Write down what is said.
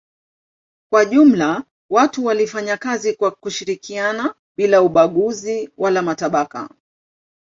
Kwa jumla watu walifanya kazi kwa kushirikiana bila ubaguzi wala matabaka.